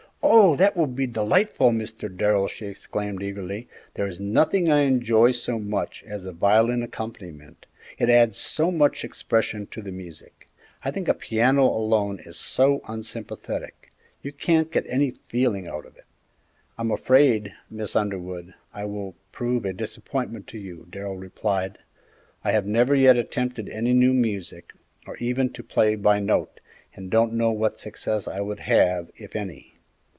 "Oh, that will be delightful, Mr. Darrell!" she exclaimed, eagerly; "there is nothing I enjoy so much as a violin accompaniment; it adds so much expression to the music. I think a piano alone is so unsympathetic; you can't get any feeling out of it!" "I'm afraid, Miss Underwood, I will prove a disappointment to you," Darrell replied; "I have never yet attempted any new music, or even to play by note, and don't know what success I would have, if any.